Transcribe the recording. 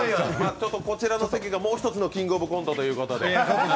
ちょっとこちらの席がもう一つの「キングオブコント」ということで。